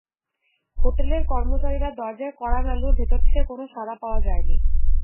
হোটেলের কর্মচারীরা দরজায় কড়া নাড়লেও ভেতর থেকে কোনো সাড়া পাওয়া যায়নি।